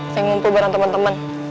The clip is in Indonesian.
saya ngumpul bareng teman teman